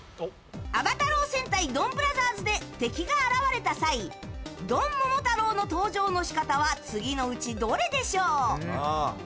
「暴太郎戦隊ドンブラザーズ」で敵が現れた際ドンモモタロウの登場の仕方は次のうちどれでしょう？